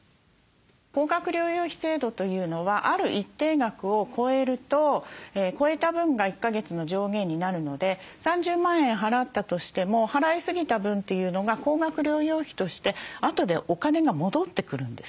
高額療養費制度というのはある一定額を超えると超えた分が１か月の上限になるので３０万円払ったとしても払いすぎた分というのが高額療養費としてあとでお金が戻ってくるんです。